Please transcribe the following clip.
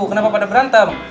kenapa pada berantem